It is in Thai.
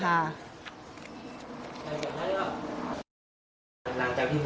หลังจากที่ผมชนเข้าไปเที่ยวแล้วเขาบอกเขาไม่ไป